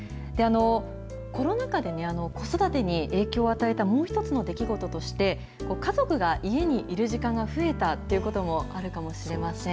コロナ禍で、子育てに影響を与えたもう一つの出来事として、家族が家にいる時間が増えたということもあるかもしれません。